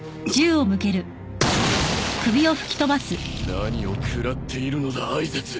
何をくらっているのだ哀絶。